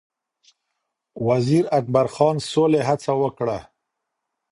وزیر اکبرخان سولې هڅه وکړه